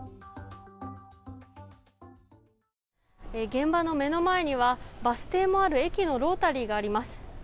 現場の目の前にはバス停もある駅のロータリーがあります。